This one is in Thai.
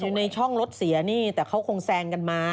ในช่องรถเสียนี่แต่เขาคงแซงกันมา